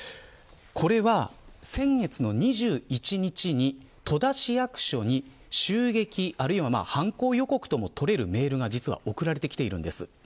これは先月の２１日に戸田市役所に襲撃、あるいは犯行予告ともとれるメールが実は送られてきているんです。